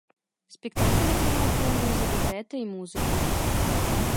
Спектакль атрымаў прэмію за лібрэта і музыку.